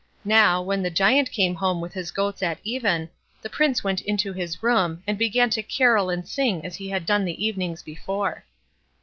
Now, when the Giant came home with his goats at even, the Prince went into his room, and began to carol and sing as he had done the evenings before.